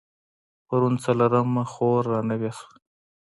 پرون څلرمه خور رانوې شوه.